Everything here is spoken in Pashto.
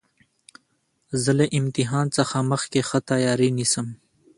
زه له امتحان څخه مخکي ښه تیاری نیسم.